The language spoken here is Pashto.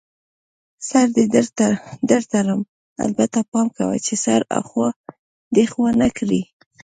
سر دې در تړم، البته پام کوه چي سر اخوا دیخوا نه کړې.